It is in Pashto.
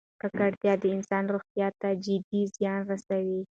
ککړتیا د انسان روغتیا ته جدي زیان رسوي.